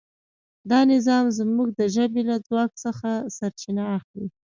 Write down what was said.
دا نظام زموږ د ژبې له ځواک څخه سرچینه اخلي.